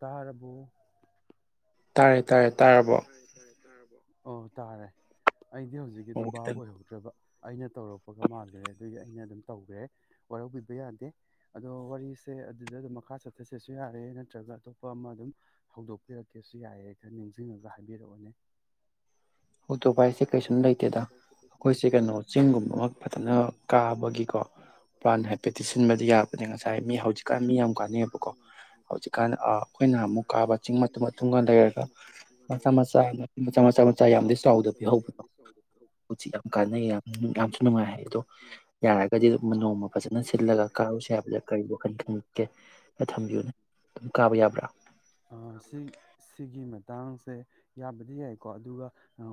ꯇꯥꯔꯕꫭ꯫ ꯇꯥꯏꯌꯦ ꯇꯥꯏꯌꯦ꯫ ꯇꯥꯔꯕꫭ꯫ ꯇꯥꯔꯕꫭ ꯑꯣ ꯇꯥꯔꯦ꯫ ꯑꯩꯗꯤ ꯍꯧꯖꯤꯛꯀꯤꯗꯨ ꯚꯥꯞ ꯑꯣꯏꯍꯧꯗ꯭ꯔꯕ꯫ ꯑꯩꯅ ꯇꯧꯔꯛꯄꯒ ꯃꯥꯜꯂꯨꯔꯦ ꯑꯗꯨꯒꯤ ꯑꯩꯅ ꯑꯗꯨꯝ ꯇꯧꯈ꯭ꯔꯦ ꯋꯥꯔꯧꯕꯤꯕ ꯌꯥꯗꯦ ꯑꯗꯣ ꯋꯥꯔꯤꯁꯦ ꯑꯗꯨꯗ ꯑꯗꯨꯝ ꯃꯈꯥ ꯆꯠꯊꯁꯁꯨ ꯌꯥꯔꯦ ꯅꯠꯇ꯭ꯔꯒ ꯑꯇꯣꯞꯄ ꯑꯃ ꯑꯗꯨꯝ ꯍꯧꯗꯣꯛꯄꯤꯔꯛꯀꯦꯁꯨ ꯌꯥꯏꯌꯦ ꯈ ꯅꯤꯡꯖꯩ꯫ ꯅꯤꯡꯖꯤꯉꯒ ꯍꯥꯏꯕꯤꯔꯛꯑꯣꯅꯦ꯫ ꯍꯧꯗꫭꯛꯄꯥꯏꯁꯤ꯫ ꯀꯩꯁꯨꯝ ꯂꯩꯇꯦꯗ ꯑꯩꯈꯣꯏꯁꯦ ꯀꯩꯅꯣ ꯆꯤꯡꯒꯨꯝꯕꯃꯛ ꯐꯖꯅ ꯀꯥꯕꯒꯤꯀꯣ ꯄ꯭ꯂꯥꯟ ꯍꯥꯏꯐꯦꯠꯇꯤ ꯁꯤꯟꯕꯗꯤ ꯌꯥꯕꯅꯤ ꯉꯁꯥꯏ ꯃꯤ ꯍꯧꯖꯤꯛꯀꯥꯟ ꯃꯤ ꯌꯥꯝ ꯀꯥꯟꯅꯩꯑꯕꯀꯣ ꯍꯧꯖꯤꯛꯀꯥꯟ ꯑ ꯑꯩꯈꯣꯏꯅ ꯑꯃꯨꯛ ꯀꯥꯕ ꯆꯤꯡ ꯃꯇꯨꯝ ꯃꯇꯨꯝꯒ ꯂꯩꯔꯒ ꯃꯆꯥ ꯃꯆꯥ ꯃꯆꯥ ꯃꯆꯥ꯫ ꯌꯥꯝꯗꯤ ꯆꯥꯎꯗꯕꯤ ꯍꯧꯕꯗꯣ꯫ ꯍꯨꯖꯤꯛ ꯌꯥꯝ ꯀꯥꯟꯅꯩ ꯌꯥꯝꯁꯨ ꯅꯨꯡꯉꯥꯏ ꯍꯥꯏ ꯑꯗꯣ ꯌꯥꯔꯒꯗꯤ ꯑꯗꯨꯝ ꯅꯣꯡꯃ ꯐꯖꯅ ꯁꯤꯜꯂꯒ ꯀꯥꯔꯨꯁꯦ ꯍꯥꯏꯕꯗ ꯀꯔꯤ ꯋꯥꯈꯜ ꯈꯟꯒꯦ ꯊꯝꯕꯤꯌꯨꯅꯦ ꯑꯗꯨꯝ ꯀꯥꯕ ꯌꯥꯕ꯭ꯔꯥ꯫ ꯃꯇꯥꯡꯁꯦ ꯌꯥꯕꯗꯤ ꯌꯥꯏꯀꯣ ꯑꯗꯨꯒ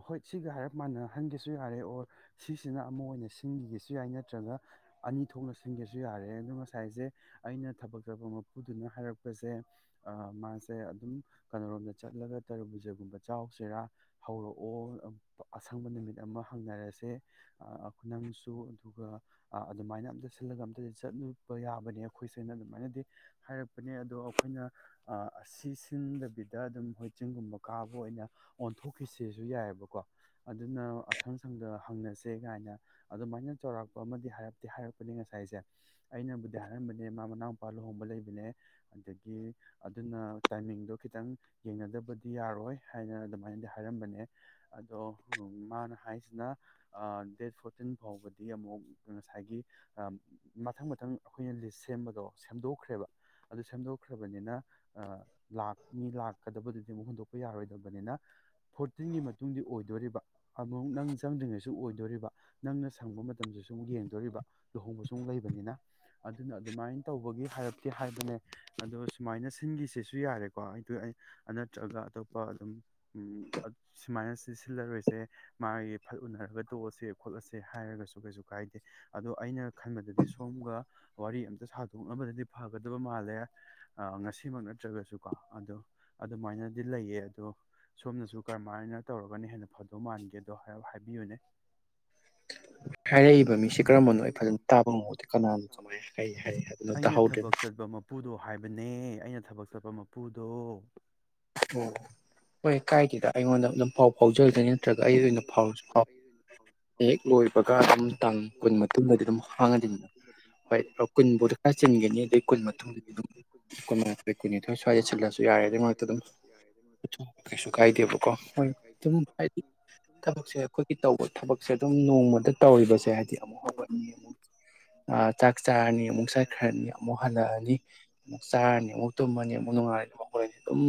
ꯍꯣꯏ ꯁꯤꯒ ꯍꯥꯏꯔꯞ ꯃꯥꯅ꯫ ꯍꯟꯒꯦꯁꯨ ꯌꯥꯔꯦ ꯑꯣꯔ ꯁꯤꯁꯤꯅ ꯑꯃ ꯑꯣꯏꯅ ꯁꯤꯟꯈꯤꯒꯦꯁꯨ ꯌꯥꯏ ꯅꯠꯇ꯭ꯔꯒ ꯑꯅꯤ ꯊꯣꯛꯅ ꯁꯤꯟꯒꯦꯁꯨ ꯌꯥꯔꯦ ꯑꯗꯣ ꯉꯁꯥꯏꯁꯦ ꯑꯩꯅ ꯊꯕꯛꯇꯄ ꯃꯄꯨꯗꯨꯅ ꯍꯥꯏꯔꯛꯄꯁꯦ ꯑ ꯃꯥꯁꯦ ꯑꯗꯨꯝ ꯀꯩꯅꯔꯣꯝꯗ ꯆꯠꯂꯒ ꯇꯔꯕꯨꯖꯒꯨꯝꯕ ꯆꯥꯎꯁꯤꯔꯥ ꯍꯧꯔꯛꯑꯣ [unintelligible] ꯪ [unintelligible] ꯅꯨꯃꯤꯠ ꯑꯃ ꯍꯪꯅꯔꯁꯦ ꯅꯪꯁꯨ ꯑꯗꯨꯒ ꯑꯗꯨꯃꯥꯏꯅ ꯑꯝꯇ ꯁꯤꯜꯂꯒ ꯑꯝꯇꯗꯤ ꯆꯠꯂꯨꯕ ꯌꯥꯕꯅꯦ ꯑꯩꯈꯣꯏꯁ ꯑꯅ ꯑꯗꯨꯃꯥꯏꯅꯗꯤ ꯍꯥꯏꯔꯛꯄꯅꯦ ꯑꯗꯣ ꯑꯩꯈꯣꯏꯅ ꯑꯁꯤ ꯁꯤꯁꯤꯡꯗꯕꯤꯗ ꯑꯗꯨꯝ ꯍꯣꯏ ꯆꯤꯡꯒꯨꯝꯕ ꯀꯥꯕ ꯑꯣꯏꯅ ꯑꯣꯟꯊꯣꯛꯈꯤꯁꯤꯁꯨ ꯌꯥꯏꯑꯕꯀꯣ꯫ ꯑꯗꯨꯅ ꯑꯁꯪ ꯁꯪꯗ ꯍꯪꯅꯁꯦ ꯀꯥꯏꯅ ꯑꯗꯨꯃꯥꯏꯅ ꯆꯥꯎꯔꯥꯛꯄ ꯑꯃꯗꯤ ꯍꯥꯏꯔꯛꯄꯅꯦ ꯉꯁꯥꯏꯁꯦ ꯑꯩꯅꯕꯨꯗꯤ ꯍꯥꯏꯔꯝꯕꯅꯦ ꯃꯥ ꯃꯅꯥꯎꯄꯥ ꯂꯨꯍꯣꯡꯕ ꯂꯩꯕꯅꯦ ꯑꯗꯒꯤ ꯑꯗꯨꯅ ꯇꯥꯏꯃꯤꯡꯗꯣ ꯈꯤꯇꯪ ꯌꯦꯡꯅꯗꯕꯗꯤ ꯌꯥꯔꯣꯏ ꯍꯥꯏꯅ ꯑꯗꯨꯃꯥꯏꯅꯗꯤ ꯍꯥꯏꯔꯝꯕꯅꯦ ꯑꯗꯣ꯫ ꯃꯥꯅ ꯍꯥꯏꯁꯤꯅ ꯗꯦꯠ ꯐꯣꫪꯇꯤꯟ ꯐꯥꯎꯕꯗꯤ ꯑꯃꯨꯛ꯫ ꯉꯁꯥꯏꯒꯤ ꯃꯊꯪ ꯃꯊꯪ ꯑꯩꯈꯣꯏꯅ ꯂꯤꯁ꯫ ꯁꯦꯝꯕꯗꯣ ꯁꯦꯝꯗꯣꯛꯈ꯭ꯔꯦꯕ ꯑꯗꯨ ꯁꯦꯝꯗꯣꯛꯈ꯭ꯔꯕꯅꯤꯅ꯫ ꯑ ꯂꯥꯛ ꯃꯤ ꯂꯥꯛꯀꯗꯕꯗꯨꯗꯤ ꯑꯃꯨꯛ ꯍꯨꯟꯗꯣꯛ꯫ ꯄꯌꯥꯔꯣꯏꯗꯕꯅꯤꯅ ꯐꯣꫪꯇꯤꯟꯒꯤ ꯃꯇꯨꯡꯗꯤ ꯑꯣꯏꯗꯣꯔꯤꯕ꯫ ꯑꯃꯨꯛ ꯅꯪ ꯆꯪꯗ꯭ꯔꯤꯉꯩꯁꯨ ꯑꯣꯏꯗꯣꯔꯤꯕ ꯅꯪꯅ ꯁꯪꯕ ꯃꯇꯝꯗꯁꯨ ꯑꯃꯨꯛ ꯌꯦꯡꯗꯣꯔꯤꯕ ꯂꯨꯍꯣꯡꯕꯁꯨ ꯑꯃꯨꯛ ꯂꯩꯕꯅꯤꯅ ꯑꯗꯨꯅ ꯑꯗꯨꯃꯥꯏꯅ ꯇꯧꯕꯒꯤ ꯍꯥꯏꯔꯞꯀꯦ ꯍꯥꯏꯕꯅꯦ ꯑꯗꯣ ꯁꯨꯃꯥꯏꯅ ꯁꯤꯟꯈꯤꯁꯤꯁꯨ ꯌꯥꯔꯦꯀꯣ ꯑꯩꯗꯤ ꯑꯩ ꯅꯠꯇ꯭ꯔꯒ ꯑꯇꯣꯞꯄ ꯑꯗꯨꯝ ꯁꯨꯃꯥꯏꯅ ꯁꯤꯜꯂꯔꯣꯏꯁꯦ꯫ ꯁꯦ ꯃꯥꯒꯤ ꯐꯠ ꯎꯅꯔꯒ ꯇꯣꯛꯑꯁꯦ ꯈꯣꯠꯂꯁꯦ ꯍꯥꯏꯔꯒꯁꯨ ꯀꯩꯁꯨ ꯀꯥꯏꯗꯦ ꯑꯗꯣ ꯑꯩꯅ ꯈꯟꯕꯗꯗꯤ ꯁꯣꯝꯒ ꯋꯥꯔꯤ ꯑꯝꯇ ꯁꯥꯗꯣꯛꯅꯕꯅꯗꯤ ꯐꯒꯗꯕ ꯃꯥꯜꯂꯦ ꯑ ꯉꯁꯤꯃꯛ ꯅꯠꯇ꯭ꯔꯒꯁꯨ ꯀꯣ ꯑꯗꯣ ꯑꯗꯨꯃꯥꯏꯅꯗꯤ ꯂꯩꯌꯦ ꯑꯗꯣ ꯁꯣꯝꯅꯁꯨ ꯀꯔꯝꯍꯥꯏꯅ ꯇꯧꯔꯒꯅꯤ ꯍꯦꯟꯅ ꯐꯗꯣ ꯃꯥꯟꯒꯦꯗꯣ ꯍꯥꯏꯕꯤꯌꯨꯅꯦ ꯍꯥꯏꯔꯛꯏꯕ ꯃꯤ [unintelligible] ꯑꯩꯅ ꯊꯕꯛ ꯆꯠꯄ ꯃꯄꯨꯗꯣ ꯍꯥꯏꯕꯅꯦ ꯑꯩꯅ ꯊꯕꯛ ꯆꯠꯄꯥ ꯃꯄꯨꯗꯣ ꯑꯣ ꯍꯣꯏ ꯀꯥꯏꯗꯦꯗ ꯑꯩꯉꯣꯟꯗ ꯑꯗꯨꯝ ꯄꯥꯎ ꯐꯥꯎꯖꯒꯗꯣꯏꯅꯤ ꯅꯠꯇ꯭ꯔꯒ ꯑꯩꯒꯤ ꯑꯣꯏꯅ ꯐꯥꯎꯔꯖꯨ ꯐꯧ ꯍꯦꯛ ꯂꯣꯏꯕꯒ ꯑꯗꯨꯝ ꯇꯥꯡ ꯀꯨꯟ ꯃꯇꯨꯡꯗꯗꯤ ꯑꯗꯨꯝ ꯍꯥꯡꯉꯅꯤ ꯍꯣꯏ ꯀꯨꯟꯕꯨꯛꯇ ꯈꯔ ꯆꯤꯟꯒꯅꯤ ꯑꯗꯩ ꯀꯨꯟꯃꯥꯇꫭꯏꯗꯤ ꯑꯗꯨꯝ ꯀꯨꯟꯃꯉꯥ ꯀꯨꯟꯅꯤꯊꯣꯏ ꯁ꯭ꯋꯥꯏꯗ ꯁꯤꯜꯂꯁꯨ ꯌꯥꯔꯦ ꯑꯗꯨ ꯃꯥꯔꯛꯇ ꯑꯗꯨꯝ ꯀꯩꯁꯨ ꯀꯥꯏꯗꯕ ꯀꯣ ꯍꯣꯏ ꯨꯝ ꯍꯥꯏꯗꯤ ꯊꯕꯛꯁꯦ ꯑꯩꯈꯣꯏꯒꯤ ꯇꯧꯕ ꯊꯕꯛꯁꯦ ꯑꯗꯨꯝ ꯅꯣꯡꯃꯗ ꯇꯧꯔꯤꯕꯁꯦ ꯍꯥꯏꯗꯤ ꯑꯃꯨꯛ ꯍꯧꯒꯠꯅꯤ ꯑꯃꯨꯛ ꯆꯥꯛ ꯆꯥꯔꯅꯤ ꯑꯃꯨꯛ ꯆꯥꯏꯈ꯭ꯔꯅꯤ ꯑꯃꯨꯛ ꯍꯜꯂꯛꯑꯅꯤ ꯑꯃꯨꯛ ꯆꯥꯔꯅꯤ ꯑꯃꯨꯛ ꯇꯨꯝꯃꯅꯤ ꯑꯃꯨꯛ ꯅꯨꯡꯉꯥꯏꯔꯅꯤ ꯍꯧꯠꯂꯅꯤ ꯑꯗꯨꯝ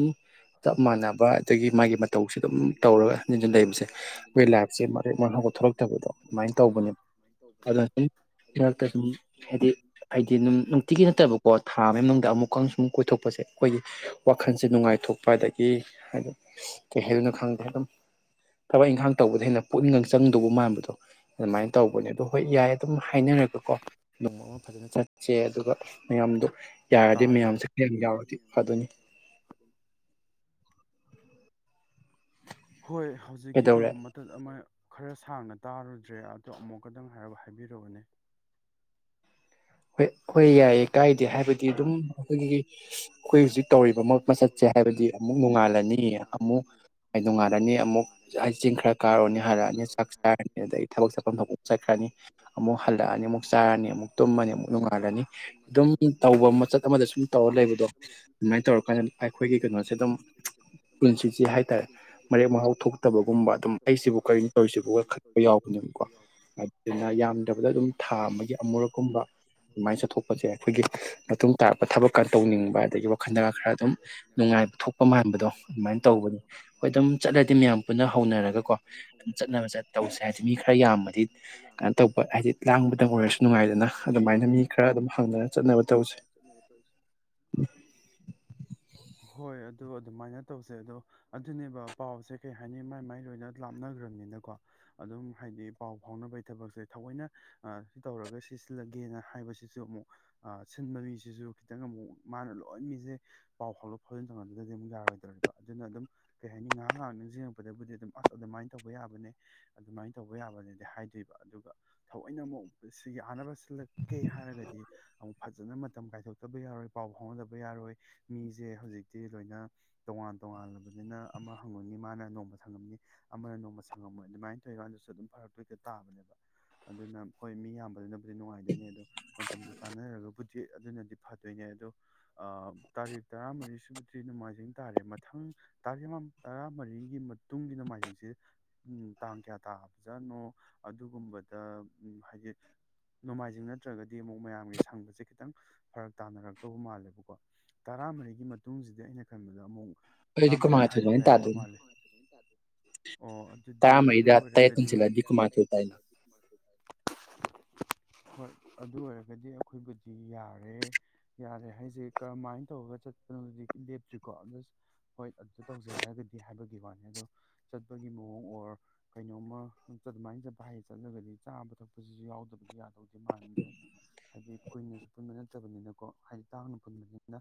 ꯆꯞ ꯃꯥꯟꯅꯕ ꯑꯗꯒꯤ ꯃꯥꯒꯤ ꯃꯇꯧꯁꯤ ꯑꯗꯨꯝ ꯇꯧꯔꯒ ꯍꯟꯖꯟ ꯍꯟꯖꯟ ꯂꯩꯕꯁꯦ ꯑꯈꫭꯏ ꯂꯥꯏꯐꯁꯦ ꯃꯔꯦꯛ ꯃꯍꯧꯒ ꯊꯣꯛꯂꯛꯇꯕꯗꯣ ꯑꯗꯨꯃꯥꯏꯅ ꯇꯧꯕꯅꯦꯕ ꯑꯗꯨꯅ ꯁꯨꯝ ꯃꯔꯛꯇ ꯑꯗꯨꯨꯝ ꯍꯥꯏꯗꯤ ꯍꯥꯏꯗꯤ ꯑꯗꯨꯝ ꯅꯨꯡꯇꯤꯒꯤ ꯅꯠꯇꯕꯀꯣ ꯊꯥ ꯑꯃꯒꯤ ꯃꯅꯨꯡꯗ ꯑꯃꯨꯛ ꯀ ꯁꯨꯝ ꯀꯣꯏꯊꯣꯛꯄꯁꯦ ꯑꯩꯈꯣꯏꯒꯤ ꯋꯥꯈꯟꯁꯦ ꯅꯨꯡꯉꯥꯏꯊꯣꯛ ꯄꯥꯗꯒꯤ ꯍꯥꯏ ꯀꯩ ꯍꯥꯏꯗꯨꯅ ꯈꯪꯗꯦ ꯑꯗꯨꯝ ꯊꯕꯛ ꯏꯪꯈꯥꯡ ꯇꯧꯕꯗꯒꯤ ꯍꯦꯟꯅ ꯄꯨꯛꯅꯤꯡꯒ ꯆꯪꯗꯧꯕ ꯃꯥꯟꯕꯗꯣ ꯑꯗꯨꯃꯥꯏꯅ ꯇꯧꯕꯅꯦ ꯑꯗꯣ ꯍꯣꯏ ꯌꯥꯏ ꯑꯗꯨꯝ ꯍꯥꯏꯅꯔꯒꯀꯣ ꯅꯣꯡ ꯑꯃ ꯐꯖꯅ ꯆꯠꯁꯦ ꯑꯗꯨꯒ ꯃꯌꯥꯝꯗꯣ ꯌꯥꯔꯗꯤ ꯃꯌꯥꯝꯁꯦ ꯈ ꯌꯥꯎꯔꯗꯤ ꯐꯗꯨꯅꯤ ꯍꯣꯏ ꯍꯧꯖꯤꯛꯀꯤꯗꯣ ꯃꯊꯠ ꯑꯃ ꯈꯔ ꯁꯥꯡꯅ ꯇꯥꯔꯨꯗ꯭ꯔꯦ ꯑꯗꯣ ꯑꯃꯨꯛꯀꯗꯪ ꯍꯥꯏ ꯍꯥꯏꯕꯤꯔꯛꯎꯅꯦ [unintelligible] ꯍꯣꯏ ꯌꯥꯏꯌꯦ ꯀꯥꯏꯗꯦ ꯍꯥꯏꯕꯗꯤ ꯑꯗꯨꯝ ꯑꯩꯈꯣꯏꯒꯤ ꯑꯩꯈꯣꯏ ꯍꯧꯖꯤꯛ ꯇꯧꯔꯤꯕ ꯃꯆꯠꯁꯦ ꯍꯥꯏꯕꯗꯤ ꯑꯃꯨꯛ ꯅꯣꯡꯉꯥꯜꯂꯅꯤ ꯑꯃꯨꯛ ꯅꯣꯡꯉꯥꯜꯂꯅꯤ ꯑꯃꯨꯛ ꯍꯥꯏ ꯆꯤꯡ ꯈꯔ ꯀꯥꯔꯨꯔꯅꯤ ꯍꯜꯂꯛꯑꯅꯤ ꯆꯥꯛ ꯆꯥꯔꯅꯤ ꯑꯩ ꯊꯕꯛ ꯆꯠꯐꯝ ꯊꯣꯛꯐꯝ ꯆꯠꯈ꯭ꯔꯅꯤ ꯑꯃꯨꯛ ꯍꯜꯂꯛꯑꯅꯤ ꯑꯃꯨꯛ ꯆꯥꯔꯅꯤ ꯑꯃꯨꯛ ꯇꯨꯝꯃꯅꯤ ꯑꯃꯨꯛ ꯅꯣꯡꯉꯥꯂꯅꯤ ꯑꯗꯨꯝ ꯇꯧꯕ ꯃꯆꯠ ꯑꯃꯗ ꯁꯨꯝ ꯇꯧꯔ ꯂꯩꯕꯗꯣ ꯑꯗꯨꯃꯥꯏꯅ ꯇꯧꯔꯀꯥꯟꯗ ꯑꯩꯈꯣꯏꯒꯤ ꯀꯩꯅꯣꯁꯦ ꯑꯗꯨꯝ ꯄꯨꯟꯁꯤꯁꯦ ꯍꯥꯏ ꯇꯔꯦ ꯃꯔꯦꯛ ꯃꯍꯥꯎ ꯊꯣꯛꯇꯕꯒꯨꯝꯕ ꯑꯗꯨꯝ ꯑꯩꯁꯤꯕꯨ ꯀꯔꯤꯅꫭ ꯇꯧꯔꯤꯁꯤꯕꯨꯒ ꯈꯟꯕ ꯌꯥꯎꯕꯅꯦꯕꯀꯣ ꯑꯗꯨꯅ ꯌꯥꯝꯗ꯭ꯔꯕꯗ ꯑꯗꯨꯝ ꯊꯥ ꯑꯃꯒꯤ ꯑꯃꯨꯔꯛꯀꯨꯝꯕ ꯃꯥꯏ ꯆꯥꯊꯣꯛ ꯑꯩꯈꯣꯏꯒꯤ ꯃꯇꯨꯡ ꯇꯥꯔꯛꯄ ꯊꯕꯛꯀꯥ ꯇꯧꯅꯤꯡꯕ ꯑꯗꯒꯤ ꯋꯥꯈꯜꯗꯒ ꯈꯔ ꯑꯗꯨꯝ ꯅꯨꯡꯉꯥꯏꯕ ꯊꯣꯛꯄ ꯃꯥꯟꯕꯗꯣ ꯑꯗꯨꯃꯥꯏꯅ ꯇꯧꯕꯅꯤ ꯑꯩꯈꯣꯏ ꯑꯗꯨꯝ ꯆꯠꯂꯗꯤ ꯃꯌꯥꯝ ꯄꯨꯟꯅ ꯍꯧꯅꯔꯒꯀꯣ ꯑꯗꯨꯝ ꯆꯠꯅꯕ ꯇꯧꯁꯦ ꯍꯥꯏꯗꯤ ꯃꯤ ꯈꯔ ꯌꯥꯝꯕꯗꯤ ꯀꯩꯅꯣ ꯇꯧꯕ ꯍꯥꯏꯗꯤ ꯂꯥꯡꯕꯗ ꯑꯣꯏꯔꯁꯨ ꯅꯨꯡꯉꯥꯏꯗꯅ ꯑꯗꯨꯃꯥꯏꯅ ꯑꯗꯨꯝ ꯍꯪꯅꯔ ꯆꯠꯅꯕ ꯇꯧꯁꯦ ꯍꯣꯏ ꯑꯗꯨ ꯑꯗꯨꯃꯥꯏꯅ ꯇꯧꯁꯦ ꯑꯗꯣ ꯑꯗꯨꯅꯦꯕ ꯄꯥꯎꯁꯦ ꯀꯩ ꯍꯥꯏꯅꯤ ꯃꯥꯏ ꯃꯥꯏ ꯂꯣꯏꯅ ꯂꯥꯞꯅꯈ꯭ꯔꯕꯅꯤꯅꯀꯣ ꯑꯗꯨꯝ ꯍꯥꯏꯗꯤ ꯄꯥꯎ ꯐꯥꯎꯅꯕꯩ ꯊꯕꯛꯁꯦ ꯊꯑꫭꯏꯅ ꯇꯧꯔꯒ ꯁꯤ ꯁꯤꯜꯂꯒꯦꯅ ꯍꯥꯏꯕꯁꯤꯁꯨ ꯑꯃꯨꯛ ꯑ ꯁꯤꯟꯕ ꯃꯤꯁꯤꯁꯨ ꯈꯤꯇꯪ ꯑꯃꯨꯛ ꯃꯥꯅ ꯂꯣꯏ ꯃꯤꯖꯦ ꯄꯥꯎ ꯐꯥꯎꯗꫭꯛ ꯐꯥꯎꯖꯤꯟ ꯇꯧꯅꯍꯟꯗꯗꯤ ꯑꯃꯨꯛ ꯌꯥꯔꯣꯏꯗꯧꯔꯤꯕ ꯑꯗꯨꯅ ꯑꯗꯨꯝ ꯀꯩ ꯍꯥꯏꯅꯤ ꯉꯥꯏꯍꯥꯛ ꯉꯥꯏꯍꯥꯛ ꯅꯤꯡꯁꯤꯡꯉꯛꯄꯗꯕꯨꯗꯤ ꯑꯗꯨꯝ ꯑꯁ ꯑꯗꯨꯃꯥꯏꯅ ꯇꯧꯕ ꯌꯥꯕꯅꯦ ꯑꯗꯨꯃꯥꯏꯅ ꯇꯧꯕ ꯌꯥꯕꯅꯦꯗꯤ ꯍꯥꯏꯗꯣꯏꯕ ꯑꯗꯨꯒ ꯊꯑꯣꯏꯅ ꯑꯃꯨꯛ ꯁꯤ ꯌꯥꯅꯕ ꯁꯤꯜꯂꯛꯀꯦ ꯍꯥꯏꯔꯒꯗꯤ ꯑꯃꯨꯛ ꯐꯖꯅ ꯃꯇꯝ ꯀꯥꯏꯊꯣꯛꯇꯕ ꯌꯥꯔꯣꯏ ꯄꯥꯎ ꯐꯥꯎꯅꯗꯕ ꯌꯥꯔꯣꯏ ꯃꯤꯖꯦ ꯍꯧꯖꯤꯛꯇꯤ ꯂꯣꯏꯅ ꯇꯣꯉꯥꯟ ꯇꯣꯉꯥꯟꯂꯕꯅꯤꯅ ꯑꯃ ꯍꯪꯉꯨꯅꯤ ꯃꯥꯅ ꯅꯣꯡꯃ ꯁꯪꯉꯝꯅꯤ ꯑꯃꯅ ꯅꯣꯡꯃ ꯁꯪꯉꯝꯃꯣꯏ ꯑꯗꯨꯃꯥꯏꯅ ꯇꯧꯔꯤꯀꯥꯟꯗꯁꯨ ꯑꯗꯨꯝ ꯐꯔꯛꯇꯣꯏꯗ ꯍꯦꯛꯇ ꯇꯥꯕꯅꯦꯕ ꯑꯗꯨꯅ ꯍꯣꯏ ꯃꯤ ꯌꯥꯝꯕꯗꯨꯅꯕꯨꯗꯤ ꯅꯨꯡꯉꯥꯏꯗꯣꯏꯅꯦ ꯑꯗꯣ ꯃꯇꯝꯗꯨ ꯆꯥꯟꯅꯔꯒꯕꯨꯗꯤ ꯑꯗꯨꯅꯗꯤ ꯐꯗꯣꯏꯅꯦ ꯑꯗꯣ ꯑꯥ ꯇꯥꯔꯤꯛ ꯇꯔꯥꯃꯔꯤꯁꯤꯕꯨꯗꯤ ꯅꯣꯡꯃꯥꯏꯖꯤꯡ ꯇꯥꯔꯦ ꯃꯊꯪ ꯇꯥꯔꯤꯛ ꯇꯔꯥꯃꯔꯤꯒꯤ ꯃꯇꯨꯡꯒꯤ ꯅꯣꯡꯃꯥꯏꯖꯤꯡꯁꯦ ꯇꯥꯡ ꯀꯌꯥ ꯇꯥꯖꯥꯠꯅꯣ ꯑꯗꯨꯒꯨꯝꯕꯗ ꯍꯥꯏꯗꯤ ꯅꯣꯡꯃꯥꯏꯖꯤꯡ ꯅꯠꯇ꯭ꯔꯒꯗꯤ ꯑꯃꯨꯛ ꯃꯌꯥꯝꯒꯤ ꯁꯪꯕꯁꯦ ꯈꯤꯇꯪ ꯐꯔꯛ ꯇꯥꯅꯔꯛꯇꯧꯕ ꯃꯥꯜꯂꯦꯕꯀꯣ ꯇꯔꯥꯃꯔꯤꯒꯤ ꯃꯇꯨꯡꯖꯤꯗꯤ ꯑꯩꯅ ꯈꯟꯕꯗ ꯑꯃꯨꯛ ꯇꯔꯥꯃꯥꯄꯜ ꯁ꯭ꯋꯥꯏꯁꯤꯗ ꯂꯩꯔꯝꯗꯧ ꯃꯥꯜꯂꯤ ꯑꯣ ꯑꯗꯨꯗꯤ ꯑꯗꯨ ꯑꯣꯏꯔꯒꯗꯤ [unintelligible] [unintelligible] ꯍꯣꯏ ꯑꯗꯨ ꯑꯣꯏꯔꯒꯗꯤ ꯑꯩꯈꯣꯏꯕꯨꯗꯤ ꯌꯥꯔꯦ ꯌꯥꯔꯦ ꯍꯥꯏꯖꯦ ꯀꯔꯝꯃꯥꯏꯅ ꯇꯧꯔꯒ ꯆꯠꯄꯅꯣ ꯍꯧꯖꯤꯛ ꯂꯦꯞꯇ꯭ꯔꯤꯀꯣ ꯑꯗꯨ ꯍꯣꯏ ꯑꯗꯨꯗ ꯇꯧꯁꯦ ꯍꯥꯏꯔꯒꯗꯤ ꯍꯥꯏꯕꯒꯤ ꯋꯥꯅꯤ ꯑꯗꯣ ꯆꯠꯄꯒꯤ ꯃꯑꯣꯡ ꯑꯣꯔ ꯀꯩꯅꯣꯝꯃ ꯑꯗꯨꯃꯥꯏꯅ ꯆꯠꯄ ꯍꯥꯏꯌꯦ ꯆꯠꯂꯒꯗꯤ ꯆꯥꯕ ꯊꯛꯄꯖꯤꯖꯨ ꯌꯥꯎꯗꯕꯗꯤ ꯌꯥꯗꯧꯗꯤ ꯃꯥꯟꯗꯦ ꯍꯥꯏꯗꯤ ꯀꯨꯏꯅꯁꯨ ꯄꯨꯟꯕ ꯅꯠꯇꯕꯅꯤꯅꯀꯣ ꯍꯥꯏꯗꯤ ꯇꯥꯡꯅ ꯄꯨꯟꯕꯅꯤꯅ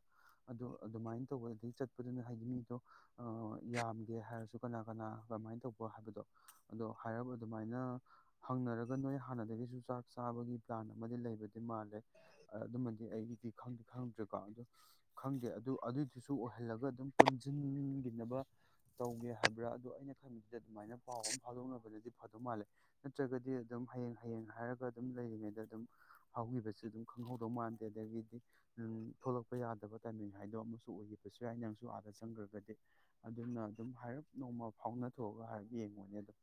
ꯑꯗꯣ ꯑꯗꯨꯃꯥꯏꯅ ꯇꯧꯕ ꯑꯗꯒꯤ ꯆꯠꯄꯗꯨꯅ ꯍꯥꯏꯗꯤ ꯃꯤꯗꯣ ꯑ ꯌꯥꯝꯒꯦ ꯍꯥꯏꯔꯁꯨ ꯀꯅꯥ ꯀꯅꯥ ꯀꯃꯥꯏꯅ ꯇꯧꯕ ꯍꯥꯏꯕꯗꯣ ꯑꯗꯣ ꯍꯥꯏꯔꯞ ꯑꯗꯨꯃꯥꯏꯅ ꯍꯪꯅꯔꯒ ꯅꯣꯏ ꯍꯥꯟꯅꯗꯒꯤꯁꯨ ꯆꯥꯛ ꯆꯥꯕꯒꯤ ꯄ꯭ꯂꯥꯟ ꯑꯃꯗꯤ ꯂꯩꯕꯗꯤ ꯃꯥꯜꯂꯦ ꯑꯗꯨꯃꯗꯤ ꯑꯩꯗꯤ ꯈꯪꯗꯤ ꯈꯪꯗ꯭ꯔꯦ ꯀ ꯑꯗꯨ ꯈꯪꯗꯦ ꯑꯗꯨ ꯑꯗꯨꯏꯗꯨꯁꯨ ꯑꯣꯏꯍꯜꯂꯒ ꯑꯗꯨꯝ ꯄꯨꯟꯁꯤꯟꯒꯤꯅꯕ ꯇꯧꯒꯦ ꯍꯥꯏꯕ꯭ꯔꯥ ꯑꯗꯣ ꯑꯩꯅ ꯈꯟꯕꯗ ꯑꯗꯨꯃꯥꯏꯅ ꯄꯥꯎ ꯑꯃ ꯐꯥꯗꯣꯛꯅꯕꯅꯗꯤ ꯐꯗꯧ ꯃꯥꯜꯂꯦ ꯅꯠꯇ꯭ꯔꯒꯗꯤ ꯑꯗꯨꯝ ꯍꯌꯦꯡ ꯍꯌꯦꯡ ꯍꯥꯏꯔꯒ ꯑꯗꯨꯝ ꯂꯩꯔꯤꯉꯩꯗ ꯑꯗꯨꯝ ꯍꯧꯈꯤꯕꯁꯨ ꯑꯗꯨꯝ ꯈꯪꯍꯧꯗꯧ ꯃꯥꯟꯗꯦ ꯑꯗꯒꯤꯗꯤ ꯊꯣꯛꯂꯛꯄ ꯌꯥꯗꯕ ꯇꯥꯟꯃꯤꯛ ꯍꯥꯏꯗꯣ ꯑꯃꯁꯨ ꯑꯣꯏꯈꯤꯕꯁꯨ ꯌꯥꯏ ꯅꯪꯁꯨ ꯑꯥꯗ ꯆꯪꯈ꯭ꯔꯒꯗꯤ ꯑꯗꯨꯅ ꯑꯗꯨꯝ ꯍꯥꯏꯔꯞ ꯅꯣꯡꯃ ꯐꯥꯎꯅ ꯊꯣꯛꯑꯒ ꯍꯥꯏꯔꯞ ꯌꯦꯡꯉꫭꯅꯦ ꯑꯗꯨꯝ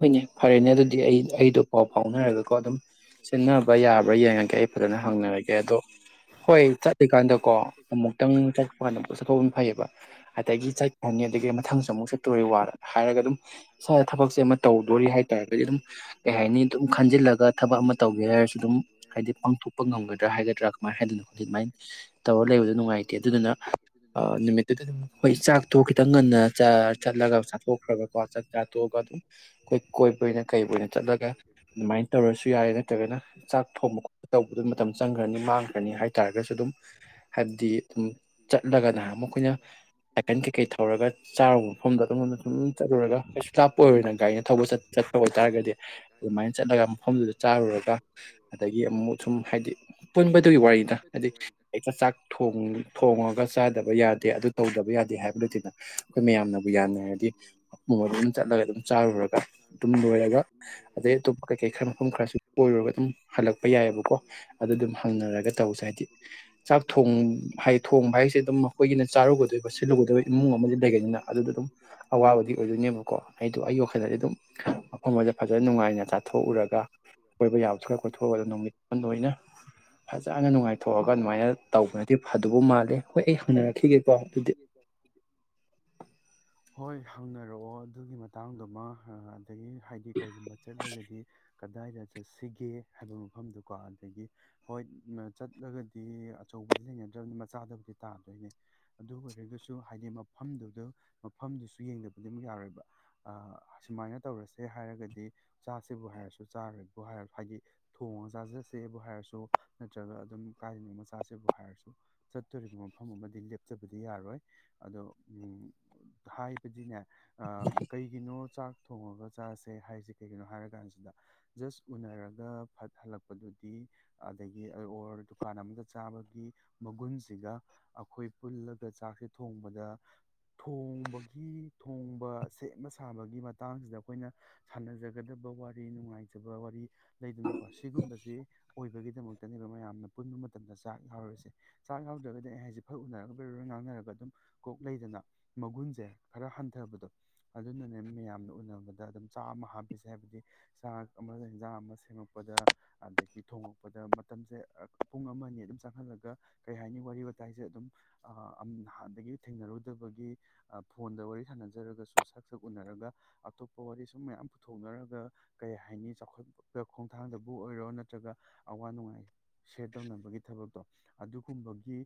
ꯍꫭꯏꯅꯦ ꯐꯔꯦꯅꯦ ꯑꯗꯨꯗꯤ ꯑꯩ ꯑꯩꯗꯣ ꯄꯥꯎ ꯐꯥꯎꯅꯔꯒꯀꯣ ꯑꯗꯨꯝ ꯁꯤꯟꯅꯕ꯭ꯔ ꯌꯥꯕ꯭ꯔꯥ ꯌꯦꯡꯉꯒꯦ ꯑꯩ ꯐꯖꯅ ꯍꯪꯅꯔꯒꯦ ꯑꯗꯣ ꯍꯣꯏ ꯆꯠꯂꯤꯀꯥꯟꯗꯀꯣ ꯑꯃꯨꯛꯇꯪ ꯆꯠꯄ ꯀꯥꯟꯗ ꯑꯗꯨꯝ ꯆꯠꯊꯣꯛꯍꯥꯎꯕꯅ ꯐꯩꯑꯩꯕ ꯑꯗꯒꯤ ꯆꯠꯈ꯭ꯔꯅꯤ ꯑꯗꯒꯤ ꯃꯊꯪꯁꯨ ꯑꯃꯨꯛ ꯆꯠꯇꯣꯔꯤ ꯋꯥ ꯍꯥꯏꯔꯒ ꯑꯗꯨꯝ ꯏꯁꯥꯗ ꯊꯕꯛꯁꯦ ꯑꯃ ꯇꯧꯗꯣꯔꯤ ꯍꯥꯏꯇꯥꯔꯦ ꯑꯩꯗꯤ ꯑꯗꯨꯝ ꯀꯩ ꯍꯥꯏꯅꯤ ꯑꯗꯨꯝ ꯈꯟꯖꯤꯜꯂꯒ ꯊꯕꯛ ꯑꯃ ꯇꯧꯒꯦ ꯍꯥꯏꯔꯁꯨ ꯑꯗꯨꯝ ꯍꯥꯏꯗꯤ ꯄꯥꯡꯊꯣꯛꯄ ꯉꯝꯒꯗ꯭ꯔꯥ ꯍꯥꯏꯒꯗ꯭ꯔꯥ ꯀꯃꯥꯏꯅ ꯍꯥꯏꯗꯅꯣ ꯍꯥꯏꯗꯤ ꯑꯗꯨꯃꯥꯏꯅ ꯇꯧꯔ ꯂꯩꯕꯗꯣ ꯅꯨꯡꯉꯥꯏꯇꯦ ꯑꯗꯨꯗꯨꯅ ꯅꯨꯃꯤꯠꯇꯨꯗ ꯑꯗꯨꯝ ꯍꯣꯏ ꯆꯥꯛꯇꯣ ꯈꯤꯇꯪ ꯉꯟꯅ ꯆꯠꯂꯒꯥ [unintelligible] ꯆꯥꯛ ꯆꯥ ꯇꯣꯛ ꯑꯒ ꯑꯗꯨꯝ ꯈꯣꯏ ꯀꯣꯏꯕ ꯀꯩ ꯑꯣꯏꯅ ꯆꯠꯂꯒ ꯑꯗꯨꯃꯥꯏꯅ ꯇꯧꯔꯁꯨ ꯌꯥꯔꯦ ꯅꯠꯇ꯭ꯔꯒꯅ ꯆꯥꯛ ꯊꯣꯡꯕ ꯈꯣꯠꯄ ꯇꯧꯕꯗ ꯃꯇꯝ ꯆꯪꯈ꯭ꯔꯅꯤ ꯃꯥꯡꯈ꯭ꯔꯅꯤ ꯍꯥꯏꯇꯥꯥꯔꯒꯁꯨ ꯑꯗꯨꯝ ꯍꯥꯏꯕꯗꯤ ꯑꯗꯨꯝ ꯆꯠꯂꯒ ꯅꯍꯥꯟꯃꯨꯛ ꯑꯈꯣꯏꯅ ꯁꯥꯏꯀꯟ ꯀꯩꯀꯩ ꯊꯧꯔꯒ ꯆꯥꯔꯨꯕ ꯃꯐꯝꯗ ꯑꯗꯨꯝ ꯑꯗꯨꯝ ꯆꯠꯂꯨꯔꯒ ꯀꯩꯁꯨ ꯂꯥꯞꯄ ꯑꯣꯏꯔꯣꯏꯅ ꯒꯥꯔꯤꯅ ꯊꯧꯕ ꯆꯠ ꯇꯧ ꯑꯣꯏꯇꯥꯔꯒꯗꯤ ꯑꯗꯨꯃꯥꯏꯅ ꯆꯠꯂꯒ ꯃꯐꯝꯗꯨꯗ ꯆꯥꯔꯨꯔꯒ ꯑꯗꯒꯤ ꯑꯃꯨꯛ ꯁꯨꯝ ꯍꯥꯏꯗꯤ ꯄꯨꯟꯕꯗꯨꯒꯤ ꯋꯥꯔꯤꯗ ꯍꯥꯏꯗꯤ ꯍꯦꯛꯇ ꯆꯥꯛ ꯊꯣꯡꯉꯒ ꯆꯥꯗꯕ ꯌꯥꯗꯦ ꯑꯗꯨ ꯇꯧꯗꯕ ꯌꯥꯗꯦ ꯍꯥꯏꯕꯗꯨꯇꯗ ꯑꯩꯈꯣꯏ ꯃꯌꯥꯝꯅꯕꯨ ꯌꯥꯅꯔꯗꯤ ꯑꯗꯨꯝ ꯆꯠꯂꯒ ꯑꯗꯨꯝ ꯆꯥꯔꯨꯔꯒ ꯑꯗꯨꯝ ꯂꯣꯏꯔꯒ ꯑꯗꯩ ꯑꯇꯣꯞꯄ ꯀꯩꯀꯩ ꯈꯔ ꯃꯐꯝ ꯈꯔꯁꯨ ꯀꯣꯏꯔꯨꯔꯒ ꯑꯗꯨꯝ ꯍꯜꯂꯛꯄ ꯌꯥꯏꯑꯕꯀꯣ ꯑꯗꯨ ꯑꯗꯨꯝ ꯍꯪꯅꯔꯒ ꯇꯧꯁꯦ ꯍꯥꯏꯗꯤ ꯆꯥꯛ ꯊꯣꯡ ꯍꯥꯏꯗꯤ ꯊꯣꯡꯕ ꯍꯥꯏꯁꯦ ꯑꯗꯨꯝ ꯑꯩꯈꯣꯏꯒꯤꯅ ꯆꯥꯔꯛꯎꯗꯣꯏꯕ ꯁꯤꯜꯂꯛꯎꯗꯣꯏꯕ ꯏꯃꯨꯡ ꯑꯃꯗꯤ ꯂꯩꯒꯅꯤꯅ ꯑꯗꯨꯗ ꯑꯗꯨꯝ ꯑꯋꯥꯕꯗꯤ ꯑꯣꯏꯗꯣꯏꯅꯦꯕꯀꯣ ꯑꯩꯗꯣ ꯑꯩ ꯋꯈꯜꯗꯗꯤ [inaudible] [inaudible] ꯍꯣꯏ ꯍꯪꯅꯔꯛꯑꯣ ꯑꯗꯨꯒꯤ ꯃꯇꯥꯡꯗꯨꯃ꯫ [inaudible] [unintelligible] ꯑꯗꯒꯤ ꯍꯥꯏꯗꯤ ꯀꯩꯒꯨꯝꯕ ꯆꯠꯂꯒꯗꯤ ꯀꯗꯥꯏꯗ ꯆꯠꯁꯤꯒꯦ ꯍꯥꯏꯕ ꯃꯐꯝꯗꯨꯀꯣ ꯑꯗꯒꯤ ꯍꯣꯏ ꯆꯠꯂꯒꯗꯤ ꯑꯆꯧꯕꯗꯤ ꯂꯩꯅꯗ꯭ꯔꯕꯅꯤ ꯃꯆꯥꯗꯕꯨꯗꯤ ꯇꯥꯗꯣꯏꯅꯦ ꯑꯗꯨ ꯑꯣꯏꯔꯒꯁꯨ ꯍꯥꯏꯗꯤ ꯃꯐꯝꯗꯨꯗ ꯃꯐꯝꯗꯨꯁꯨ ꯌꯦꯡꯗꯕꯗꯤꯃꯛ ꯌꯥꯔꯣꯏꯕ ꯍꯥꯏ ꯁꯨꯃꯥꯏꯅ ꯇꯧꯔꯁꯦ ꯍꯥꯏꯔꯒꯗꯤ ꯆꯥꯁꯦꯕꯨ ꯍꯥꯏꯔꯁꯨ ꯆꯥꯔꯣꯏꯕꯨ ꯍꯥꯏꯔ ꯍꯥꯏꯗꯤ ꯊꯣꯡꯉꯒ ꯆꯥꯖꯁꯦꯕꯨ ꯍꯥꯏꯔꯁꯨ ꯅꯠꯇ꯭ꯔꯒ ꯑꯗꯨꯝ ꯀꯥꯏꯗꯅꯣꯝꯃꯆꯥꯁꯦꯕꯨ ꯍꯥꯏꯔꯁꯨ ꯆꯠꯇꯣꯔꯤꯕ ꯃꯐꯝ ꯑꯃꯗꯤ ꯂꯦꯞꯆꯕꯗꯤ ꯌꯥꯔꯣꯏ ꯑꯗꯣ ꯎꯝ ꯍꯥꯏꯕꯗꯤꯅꯦ ꯑꯥ ꯀꯩꯒꯤꯅꯣ ꯆꯥꯛ ꯊꯣꯡꯉꯒ ꯆꯥꯁꯦ ꯍꯥꯏꯁꯦ ꯀꯩꯒꯤꯅꯣ ꯍꯥꯏꯔ ꯀꯥꯟꯁꯤꯗ ꯖꯁ ꯎꯅꯔꯒ ꯐꯠ ꯍꯜꯂꯛꯄꯗꯨꯗꯤ ꯑꯗꯒꯤ ꯑꯣꯔ ꯗꯨꯀꯥꯟ ꯑꯃꯗ ꯆꯥꯕꯒꯤ ꯃꯒꯨꯟꯁꯤꯒ ꯑꯩꯈꯣꯏ ꯄꯨꯜꯂꯒ ꯆꯥꯛꯁꯦ ꯊꯣꯡꯕꯗ ꯊꯣꯡꯕꯒꯤ ꯊꯣꯡꯕ ꯁꯦꯝꯃ ꯁꯥꯕꯒꯤ ꯃꯇꯥꯡꯁꯤꯗ ꯑꯩꯈꯣꯏꯅ ꯁꯥꯟꯅꯖꯒꯗꯕ ꯋꯥꯔꯤ ꯅꯨꯡꯉꯥꯏꯖꯕ ꯋꯥꯔꯤ ꯂꯩꯗꯨꯅꯀꯣ ꯁꯤꯒꯨꯝꯕꯁꯤ ꯑꯣꯏꯕꯒꯤꯗꯃꯛꯇꯅꯦꯕ ꯃꯌꯥꯝꯅ ꯄꯨꯟꯕ ꯃꯇꯝꯗ ꯆꯥꯛ ꯌꯥꯎꯔꯤꯁꯦ ꯫ ꯆꯥꯛ ꯌꯥꯎꯗ꯭ꯔꯒꯗꯤ ꯑꯩ ꯍꯥꯏꯁꯦ ꯐꯠ ꯎꯅꯔꯒ ꯂꯣꯏꯔꯔ ꯉꯥꯡꯅꯔꯒ ꯑꯗꯨꯝ ꯀꯣꯛ ꯂꯩꯗꯅ ꯃꯒꯨꯟꯁꯦ ꯈꯔ ꯍꯟꯊꯕꯗꯣ ꯑꯗꯨꯅꯅꯦ ꯃꯌꯥꯝꯅ ꯎꯅꯕꯗ ꯑꯗꯨꯝ ꯆꯥ ꯑꯃ ꯍꯥꯞꯄꯤꯁꯦ ꯍꯥꯏꯕꯗꯤ ꯆꯥꯛ ꯑꯃ ꯌꯦꯟꯖꯥꯡ ꯑꯃ ꯁꯦꯝꯃꯛꯄꯗ ꯑꯗꯒꯤ ꯊꯣꯡꯉꯛꯄꯗ ꯃꯇꯝꯁꯦ ꯄꯨꯡ ꯑꯃ ꯑꯅꯤ ꯑꯗꯨꯝ ꯆꯪꯍꯜꯂꯒ ꯀꯔꯤ ꯍꯥꯏꯅꯤ ꯋꯥꯔꯤ ꯋꯥꯇꯥꯏꯁꯦ ꯑꯗꯨꯝ ꯅꯍꯥꯟꯗꯒꯤ ꯊꯦꯡꯅꯔꯨꯗꯕꯒꯤ ꯐꯣꯟꯗ ꯋꯥꯔꯤ ꯁꯥꯟꯅꯖꯔꯒꯁꯨ ꯁꯛ- ꯁꯛ ꯎꯅꯔꯒ ꯑꯇꯣꯞꯄ ꯋꯥꯔꯤ ꯁꯨꯝ ꯃꯌꯥꯝ ꯄꯨꯊꯣꯛꯅꯔꯒ ꯀꯩ ꯍꯥꯏꯅꯤ ꯆꯥꯎꯈꯠꯄ ꯈꯣꯡꯊꯥꯡꯗꯕꯨ ꯑꯣꯏꯔꯣ ꯅꯠꯇ꯭ꯔꯒ ꯑꯋꯥ ꯅꯨꯡꯉꯥꯏ ꯁꯌꯔ ꯇꯧꯅꯕꯒꯤ ꯊꯕꯛꯇꯣ ꯑꯗꯨꯒꯨꯝꯕꯒꯤ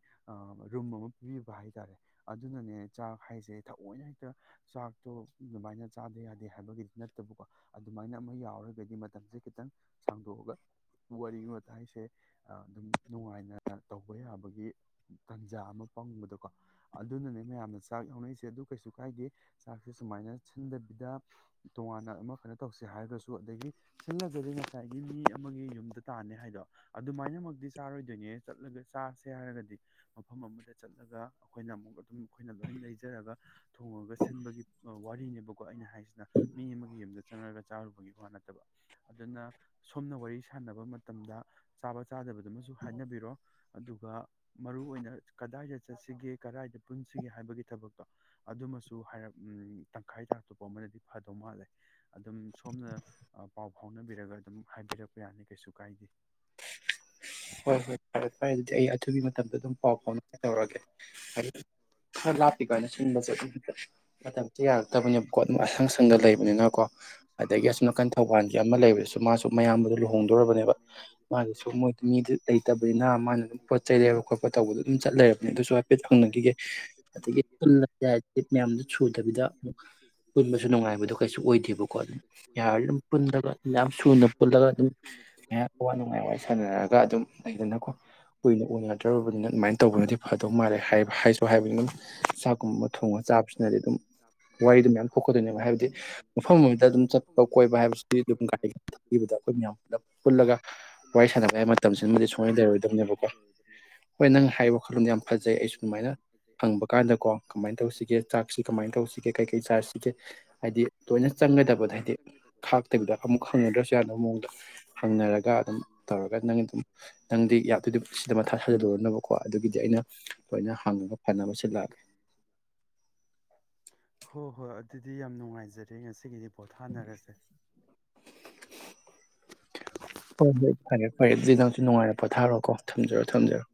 ꯔꯨꯝ ꯑꯃ ꯄꯤꯕꯤꯕ ꯍꯥꯏꯇꯥꯔꯦ ꯑꯗꯨꯅꯅꯦ ꯆꯥꯛ ꯍꯥꯏꯁꯦ ꯊꯑꯣꯏꯅ ꯍꯦꯛꯇ ꯆꯥꯛꯇꯣ ꯑꯗꯨꯃꯥꯏꯅ ꯆꯥꯗ ꯌꯥꯗꯦ ꯍꯥꯏꯕꯒꯤꯗꯤ ꯅꯠꯇꯕꯀꯣ ꯑꯗꯨꯃꯥꯏꯅ ꯑꯃ ꯌꯥꯎꯔꯒꯗꯤ ꯃꯇꯝꯁꯦ ꯈꯤꯇꯪ ꯁꯥꯡꯗꯣꯛꯑꯒ ꯋꯥꯔꯤ ꯋꯥꯇꯥꯏꯁꯦ ꯑꯗꯨꯝ ꯅꯨꯡꯉꯥꯏꯅ ꯇꯧꯕ ꯌꯥꯕꯒꯤ ꯇꯥꯟꯖꯥ ꯑꯃ ꯐꯪꯕꯗꯣꯀꯣ ꯑꯗꯨꯅꯅꯦ ꯃꯌꯥꯝꯅ ꯆꯥꯛ ꯌꯥꯎꯅꯔꯤꯁꯦ ꯑꯗꯨ ꯀꯩꯁꯨ ꯀꯥꯏꯗꯦ ꯆꯥꯛꯁꯦ ꯁꯨꯃꯥꯏꯅ ꯁꯤꯟꯗꯕꯤꯗ ꯇꯣꯉꯥꯟꯅ ꯑꯃ ꯀꯩꯅꯣ ꯇꯧꯁꯦ ꯍꯥꯏꯔꯒꯁꯨ ꯑꯗꯒꯤ ꯁꯤꯜꯂꯒꯗꯤ ꯉꯁꯥꯏꯒꯤ ꯃꯤ ꯑꯃꯒꯤ ꯌꯨꯝꯗ ꯇꯥꯅꯦ ꯍꯥꯏꯗꯣ ꯑꯗꯨꯃꯥꯏꯅꯃꯛꯇꯤ ꯆꯥꯔꯣꯏꯗꯣꯏꯅꯦ ꯆꯠꯂꯒ ꯆꯥꯁꯦ ꯍꯥꯏꯔꯒꯗꯤ ꯃꯐꯝ ꯑꯃꯗ ꯆꯠꯂꯒ ꯑꯩꯈꯣꯏꯅ ꯑꯃꯨꯛ ꯑꯗꯨꯝ ꯑꯩꯈꯣꯏꯅ ꯂꯣꯏ ꯂꯩꯖꯔꯒ ꯊꯣꯡꯉꯒ ꯁꯤꯟꯕꯒꯤ ꯋꯥꯔꯤꯅꯦ꯫ ꯣꯑꯩꯅ ꯍꯥꯏꯁꯤꯅ ꯃꯤ ꯑꯃ ꯌꯨꯝꯗ ꯆꯪꯉꯔꯒ ꯆꯥꯔꯨꯕꯒꯤ ꯋꯥ ꯅꯠꯇꯕ꯫ ꯑꯗꯨꯅ ꯁꯣꯝꯅ ꯋꯥꯔꯤ ꯁꯥꯟꯅꯕ ꯃꯇꯝꯗ ꯆꯥꯕ ꯆꯥꯗꯕꯗꯨꯃꯁꯨ ꯍꯥꯏꯅꯕꯤꯔꯣ ꯑꯗꯨꯒ ꯃꯔꯨ ꯑꯣꯏꯅ ꯀꯗꯥꯏꯗ ꯆꯠꯁꯤꯒꯦ ꯀꯗꯥꯏꯗ ꯄꯨꯟꯁꯤꯒꯦ ꯍꯥꯏꯕꯒꯤ ꯊꯕꯛꯇꯣ ꯑꯗꯨꯃꯁꯨ ꯍꯥꯏꯔꯞ ꯇꯈꯥꯏ ꯇꯥꯇꯣꯞꯄ ꯑꯃꯅꯗꯤ ꯐꯗꯧ ꯃꯥꯜꯂꯦ ꯑꯗꯨꯝ ꯁꯣꯝꯅ ꯄꯥꯎ ꯐꯥꯎꯅꯕꯤꯔꯒ ꯑꯗꯨꯝ ꯍꯥꯏꯕꯤꯔꯛꯄ ꯌꯥꯅꯤ ꯀꯩꯁꯨ ꯀꯥꯏꯗꯦ꯫ ꯍꯣꯏ - ꯍꯣꯏ ꯐꯔꯦ- ꯐꯔꯦ ꯑꯗꯨꯗꯤ ꯑꯩ ꯑꯗꯨꯊꯨꯒꯤ ꯃꯇꯝꯗ ꯑꯗꯨꯝ ꯄꯥꯎ ꯐꯥꯎꯅꯉꯥꯏ ꯇꯧꯔꯒꯦ ꯈꯔ ꯂꯥꯞꯄꯤꯀꯣꯅ ꯁꯤꯟꯕꯁꯦ ꯃꯇꯝꯁꯦ ꯌꯥꯔꯛꯇꯕꯅꯦꯕꯀꯣ꯫ ꯑꯗꯨꯝ ꯑꯁꯪ ꯁꯪꯗ ꯂꯩꯕꯅꯤꯅꯀꯣ ꯑꯗꯒꯤ ꯑꯁꯨꯝꯝ ꯅꯥꯀꯟ ꯊꯧꯕꯥꯜꯁ ꯑꯃ ꯂꯩꯕꯗꯁꯨ ꯃꯥꯁꯨ ꯃꯌꯥꯝꯕꯗ ꯂꯨꯍꯣꯡꯗꯣꯔꯕꯅꯦꯕ ꯃꯥꯒꯤꯁꯨ ꯃꯣꯏ ꯃꯤꯗꯨ ꯂꯩꯇꯕꯅꯤꯅ ꯃꯥꯅ ꯑꯗꯨꯝ ꯄꯣꯠ ꯆꯩꯔꯕ ꯈꯣꯠꯄ ꯇꯧꯕꯗꯣ ꯑꯗꯨꯝ ꯆꯠ ꯂꯩꯔꯕꯅꯤ ꯑꯗꯨꯁꯨ ꯍꯥꯏꯐꯦꯠ ꯍꯪꯅꯈꯤꯒꯦ ꯑꯗꯒꯤ ꯄꯨꯜꯂꯦ ꯍꯥꯏ ꯃꯌꯥꯝꯗꯨ ꯁꯨꯗꯕꯤꯗ ꯑꯃꯨꯛ ꯄꯨꯟꯕꯁꯨ ꯅꯨꯡꯉꯥꯏꯕꯗꯣ ꯀꯩꯁꯨ ꯑꯣꯏꯗꯦꯕꯀꯣ ꯑꯗꯨꯝ ꯌꯥꯔꯗꯤ ꯑꯗꯨꯝ ꯄꯨꯜꯂꯒ ꯌꯥꯝ ꯁꯨꯅ ꯄꯨꯜꯂꯒ ꯑꯗꯨꯝ ꯃ ꯑꯋꯥ ꯅꯨꯡꯉꯥꯏ ꯋꯥꯔꯤ ꯁꯅꯔꯒ ꯑꯗꯨꯝ ꯂꯩꯗꯅꯀꯣ ꯀꯨꯏꯅ ꯎꯅꯗ꯭ꯔꯕꯅꯤꯅ ꯑꯗꯨꯃꯥꯏꯅ ꯇꯧꯕꯅꯗꯤ ꯐꯗꯧ ꯃꯥꯜꯂꯦ ꯍꯥꯏ ꯍꯥꯏꯁꯨ ꯍꯥꯏꯕꯅꯤ ꯑꯗꯨꯝ ꯆꯥꯛꯀꯨꯝꯕ ꯊꯣꯡꯉꯒ ꯆꯥꯕꯁꯤꯅꯗꯤ ꯑꯗꯨꯝ ꯋꯥꯔꯤꯗꯨ ꯃꯌꯥꯝ ꯊꯣꯛ ꯈꯠꯇꯣꯏꯅꯦꯕ ꯍꯥꯏꯕꯗꯤ ꯃꯐꯝ ꯑꯃꯗ ꯑꯗꯨꯝ ꯆꯠꯄ ꯀꯣꯏꯕ ꯍꯥꯏꯕꯁꯤ ꯑꯗꯨꯝ ꯒꯥꯔꯤ ꯊꯕꯗ ꯑꯩꯈꯣꯏ ꯃꯌꯥꯝ ꯄꯨꯂ ꯄꯨꯜꯂꯒ ꯋꯥꯔꯤ ꯁꯥꯟꯅꯒ ꯍꯥꯏ ꯁꯤꯃꯗꯤ ꯁꯨꯃꯅ ꯂꯩꯔꯣꯏꯗꯕꯅꯦꯕꯀꯣ ꯍꯣꯏ ꯅꯪ ꯍꯥꯏꯔꯤꯕ ꯋꯥꯈꯜꯂꯣꯟꯗ ꯌꯥꯝ ꯐꯖꯩ ꯑꯩꯁꯨ ꯑꯗꯨꯃꯥꯏꯅ ꯍꯪꯕ ꯀꯥꯟꯗ ꯀꯣ ꯀꯃꯥꯏꯅ ꯇꯧꯁꯤꯒꯦ ꯆꯥꯛꯁꯤ ꯀꯃꯥꯏꯅ ꯇꯧꯁꯤꯒꯦ ꯀꯩꯀꯩ ꯆꯥꯁꯤꯒꯦ ꯍꯥꯏꯗꯤ ꯇꯣꯏꯅ ꯆꯪꯒꯗꯕꯗ ꯍꯥꯏꯗꯤ ꯈꯥꯛꯇꯕꯤꯗ ꯑꯃꯨꯛ ꯍꯪꯅꯗ꯭ꯔꯁꯨ ꯌꯥꯗꯕ ꯃꯑꯣꯡꯗ ꯍꯪꯅꯔꯒ ꯑꯗꯨꯝ ꯇꯧꯔꯒ ꯅ ꯍꯣꯏ ꯍꯣꯏ ꯑꯗꯨꯗꯤ ꯌꯥꯝ ꯅꯨꯡꯉꯥꯏꯖꯔꯦ ꯉꯁꯤꯒꯤꯗꯤ ꯄꯣꯊꯥꯅꯔꯁꯦ ꯍꯣꯏ ꯍꯣꯏ ꯐꯔꯦ ꯐꯔꯦ ꯑꯗꯨꯗꯤ ꯅꯪꯛꯇ ꯅꯨꯡꯉꯥꯏꯔ ꯄꯣꯊꯥꯔꯣꯑꯣꯀꯣ ꯊꯝꯖꯔꯣ ꯊꯝꯖꯔꯣ